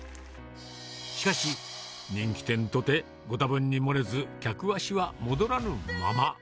しかし、人気店とて御多分に漏れず、客足は戻らぬまま。